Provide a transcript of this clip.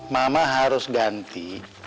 mama harus ganti